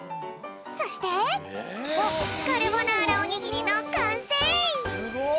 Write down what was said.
そしてカルボナーラおにぎりのかんせい！